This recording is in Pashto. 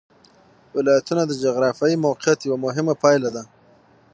ولایتونه د جغرافیایي موقیعت یوه مهمه پایله ده.